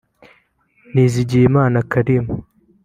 Nizigiyimana Kharim